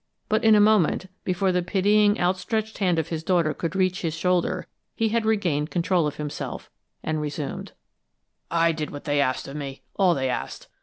But in a moment, before the pitying, outstretched hand of his daughter could reach his shoulder, he had regained control of himself, and resumed: "I did what they asked of me all they asked.